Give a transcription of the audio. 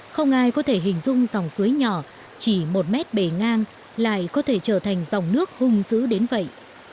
không ai có thể hình dung dòng suối nhỏ chỉ một mét bề ngang lại có thể trở thành dòng nước hung dữ đến vậy